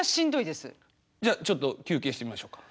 じゃあちょっと休憩してみましょうか。